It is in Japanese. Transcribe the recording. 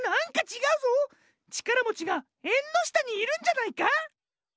ちからもちがえんのしたにいるんじゃないか？